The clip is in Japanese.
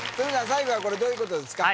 最後はこれどういうことですか？